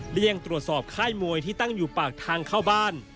เลี่ยงตรวจสอบค่ายมวยที่ตั้งอยู่ปากทางเข้าบ้าน